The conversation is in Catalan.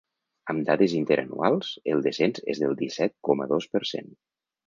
Amb dades interanuals, el descens és del disset coma dos per cent.